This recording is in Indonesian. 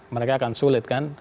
mereka akan sulit kan